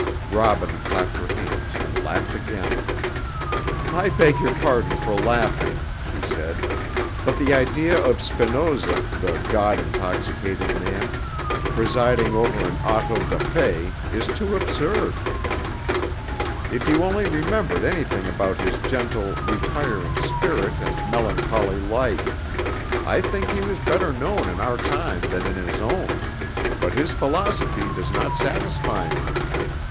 Robin clapped her hands and laughed again. "I beg your pardon for laughing," she said, "but the idea of Spinoza, the 'God intoxicated man,' presiding over an auto da fé is too absurd. If you only remembered anything about his gentle, retiring spirit and melancholy life; I think he was better known in our time than in his own, but his philosophy does not satisfy me.